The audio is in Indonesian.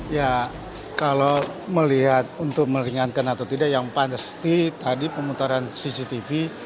ya kalau melihat untuk meringankan atau tidak yang pasti tadi pemutaran cctv